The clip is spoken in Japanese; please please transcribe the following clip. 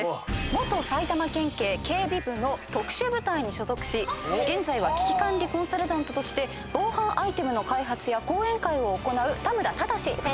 元埼玉県警警備部の特殊部隊に所属し現在は危機管理コンサルタントとして防犯アイテムの開発や講演会を行う田村忠嗣先生です。